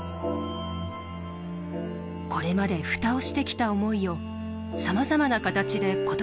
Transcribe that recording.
これまで蓋をしてきた思いをさまざまな形で言葉に表し始めた。